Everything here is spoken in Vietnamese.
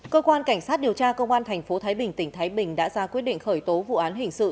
cơ quan cảnh sát điều tra công an tp thái bình tỉnh thái bình đã ra quyết định khởi tố vụ án hình sự